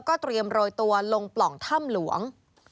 เตรียมโรยตัวลงปล่องถ้ำหลวง